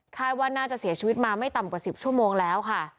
ว่าน่าจะเสียชีวิตมาไม่ต่ำกว่า๑๐ชั่วโมงแล้วค่ะ